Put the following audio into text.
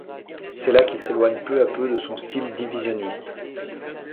C'est là qu'il s'éloigne peu à peu de son style divisionniste.